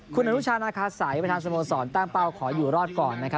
คุณอนุชานาคาสัยประธานสโมสรตั้งเป้าขออยู่รอดก่อน